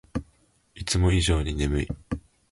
いつも以上に眠い